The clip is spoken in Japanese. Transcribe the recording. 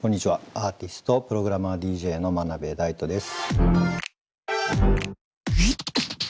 アーティストプログラマーＤＪの真鍋大度です。